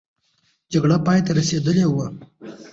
جګړه پای ته رسېدلې وه.